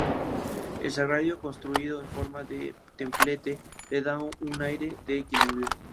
El sagrario construido en forma de templete le da un aire de equilibrio.